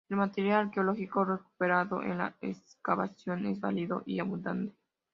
El material arqueológico recuperado en la excavación es variado y abundante.